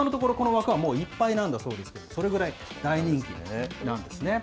今のところ、この枠は、もういっぱいなんだそうですけれども、それぐらい大人気なんですね。